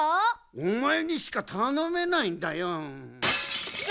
おまえにしかたのめないんだよ。わ！